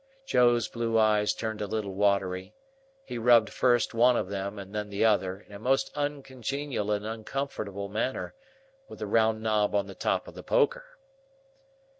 Joe's blue eyes turned a little watery; he rubbed first one of them, and then the other, in a most uncongenial and uncomfortable manner, with the round knob on the top of the poker.